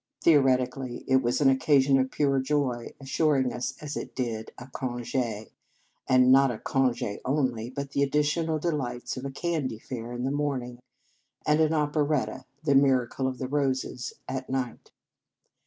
Theoretically, it was an occasion of pure joy, assuring us, as it did? a conge, and not a conge only, but the addi tional delights of a candy fair in the morning, and an operetta, " The Mir acle of the Roses," at night.